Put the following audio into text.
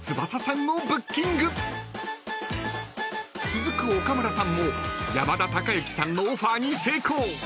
［続く岡村さんも山田孝之さんのオファーに成功］